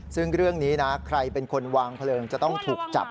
ซึ่งเรื่องนี้นะใครเป็นคนวางเพลิงจะต้องถูกจับ